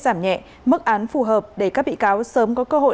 giảm nhẹ mức án phù hợp để các bị cáo sớm có cơ hội